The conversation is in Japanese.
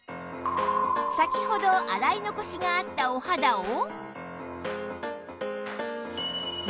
先ほど洗い残しがあったお肌を